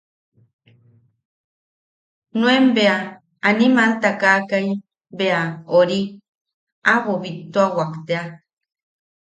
Nuan bea animal takakai bea ori... aʼabo bittuawak tea.